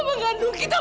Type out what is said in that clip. kamu mengandung kita